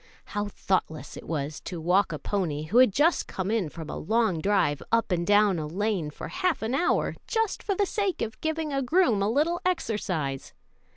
How thoughtless it was to walk a pony, who had just come in from a long drive, up and down a lane for half an hour, just for the sake of giving a groom a little exercise!